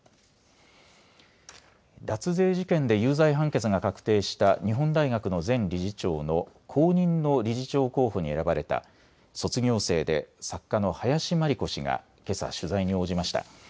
脱税事件で有罪判決が確定した日本大学の前理事長の後任の理事長候補に選ばれた卒業生で作家の林真理子氏がけさ取材に応じました。